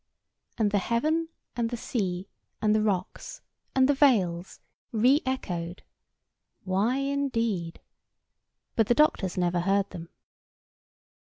And the heaven, and the sea, and the rocks, and the vales re echoed—"Why indeed?" But the doctors never heard them.